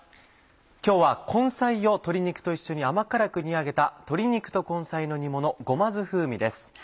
今日は根菜を鶏肉と一緒に甘辛く煮上げた「鶏肉と根菜の煮ものごま酢風味」です。